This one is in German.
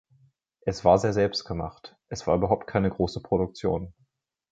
Es war sehr selbst gemacht; es war überhaupt keine große Produktion.